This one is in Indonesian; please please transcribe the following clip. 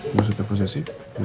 kamu udah mulai posesif mas